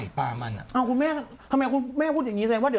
แม่ยังเห็นเขาร่องนี้ตัดงานแล้วลงได้